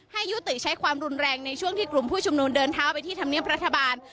ให้ยุติใช้ความรุนแรงในช่วงที่กลุ่มผู้ชุมนุมเดินเท้าไปที่ธรรมเนียบรัฐบาล